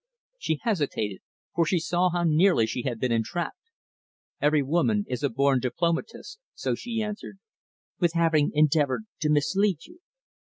She hesitated, for she saw how nearly she had been entrapped. Every woman is a born diplomatist, so she answered "With having endeavoured to mislead you."